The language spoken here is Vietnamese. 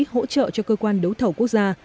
hỗ trợ cho cơ quan đấu thẩu quốc gia